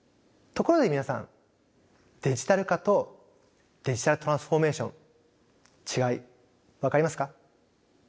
ところで皆さんデジタル化とデジタルトランスフォーメーション違い分かりますか？